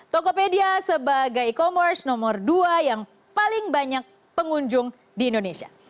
tokopedia sebagai e commerce nomor dua yang paling banyak pengunjung di indonesia